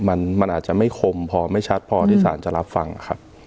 มันมันอาจจะไม่คมพอไม่ชัดพอที่สารจะรับฟังครับ